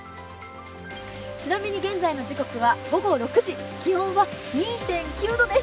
ちなみに現在の時刻は午後６時気温は２．９度です。